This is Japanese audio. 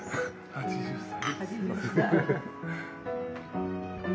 ８０歳。